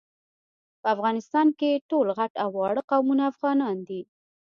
په افغانستان کي ټول غټ او واړه قومونه افغانان دي